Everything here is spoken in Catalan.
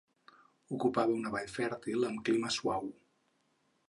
Ocupava una vall fèrtil amb clima suau.